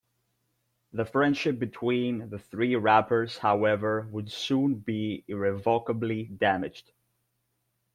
The friendship between the three rappers, however, would soon be irrevocably damaged.